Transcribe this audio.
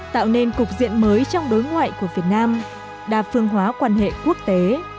tạo nên cục diện mới trong đối ngoại của việt nam đa phương hóa quan hệ quốc tế